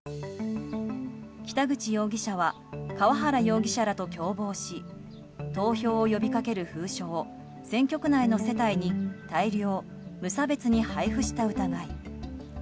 北口容疑者は河原容疑者らと共謀し投票を呼び掛ける封書を選挙区内の世帯に大量・無差別に配布した疑い。